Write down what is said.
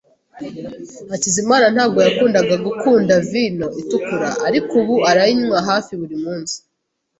Hakizimana ntabwo yakundaga gukunda vino itukura, ariko ubu arayinywa hafi buri munsi.